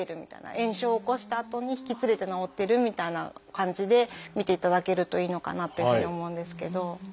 炎症を起こしたあとに引きつれて治ってるみたいな感じで見ていただけるといいのかなというふうに思うんですけど。